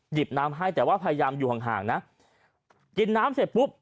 หยิบน้ำให้แต่ว่าพยายามอยู่ห่างห่างนะกินน้ำเสร็จปุ๊บ